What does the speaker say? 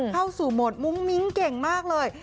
เข้าสู่โหมดมุ้งมิ้งเก่งมากเลย